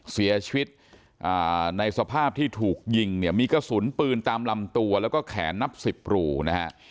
เสียชีวิตในสภาพที่ถูกยิงเนี่ยมีกระสุนปืนตามลำตัวแล้วก็แขนนับสิบรูนะฮะ